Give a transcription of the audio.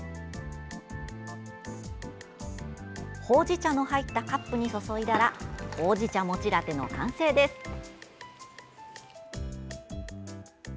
ほうじ茶の入ったカップに注いだらほうじ茶もちラテの完成です。